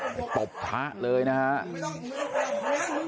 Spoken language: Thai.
ตบพระเลยนะครับ